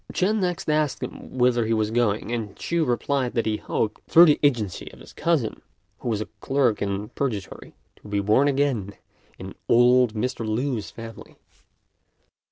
Ch'ên next asked him whither he was going; and Ch'u replied that he hoped, through the agency of his cousin, who was a clerk in Purgatory, to be born again in old Mr. Lü's family.